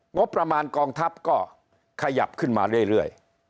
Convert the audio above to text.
งบประมาณกองทัพก็ขยับขึ้นมาเรื่อย